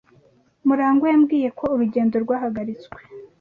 Murangwa yambwiye ko urugendo rwahagaritswe.